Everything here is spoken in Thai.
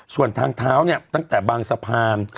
ส่วนทางเท้าเนี่ยตั้งแต่บางสะพาน